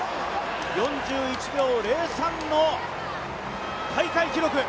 ４１秒０３の大会記録。